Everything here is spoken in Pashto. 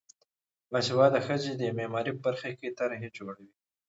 باسواده ښځې د معماری په برخه کې طرحې جوړوي.